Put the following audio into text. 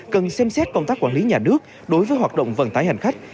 cần xem xét công tác quản lý nhà nước đối với hoạt động vận tải hành khách